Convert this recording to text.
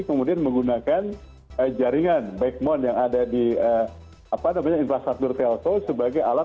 kemudian menggunakan jaringan backbone yang ada di infrastruktur telko sebagai alat